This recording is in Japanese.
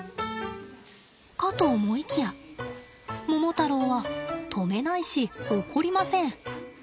かと思いきやモモタロウは止めないし怒りません。